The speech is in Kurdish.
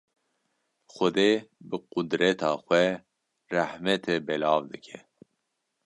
Xwedê bi qudreta xwe rahmetê belav dike.